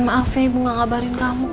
maaf ya ibu gak ngabarin kamu